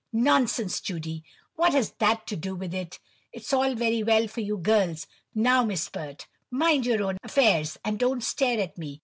"'Nonsense, Judy! what has that to do with it? It's all very well for you girls—now, Miss Pert, mind your own affairs, and don't stare at me!